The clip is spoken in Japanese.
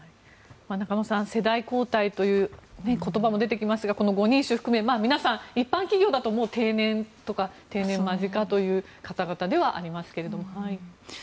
中野さん世代交代という言葉も出てきましたがこの５人衆含め皆さん一般企業だともう定年とか定年間近という方々ではありますけれど。